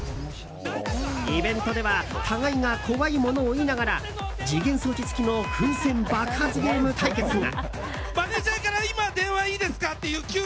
イベントでは互いが怖いものを言いながら時限装置付きの風船爆発ゲーム対決が。